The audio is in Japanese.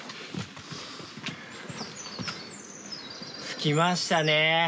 着きましたね。